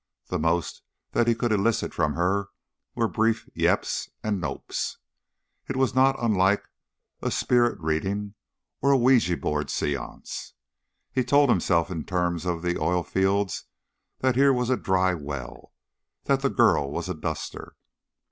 The most that he could elicit from her were brief "yeps" and "nopes." It was not unlike a "spirit reading," or a ouija board seance. He told himself, in terms of the oil fields, that here was a dry well that the girl was a "duster."